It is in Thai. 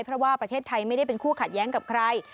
เพราะว่าประเทศไทยไม่ได้เป็นคู่ขัดแย้งกับใคร